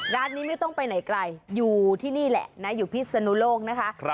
ร้านนี้ไม่ต้องไปไหนไกลอยู่ที่นี่แหละนะอยู่พิศนุโลกนะคะ